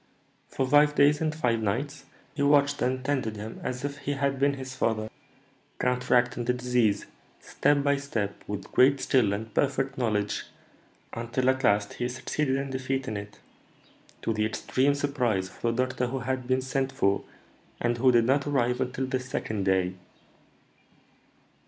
"For five days and five nights he watched and tended him as if he had been his father, counteracting the disease, step by step, with great skill and perfect knowledge, until, at last, he succeeded in defeating it, to the extreme surprise of the doctor who had been sent for, and who did not arrive until the second day."